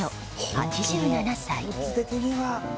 ８７歳。